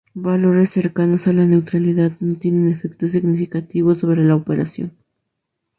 Valores cercanos a la neutralidad no tienen efecto significativo sobre la operación.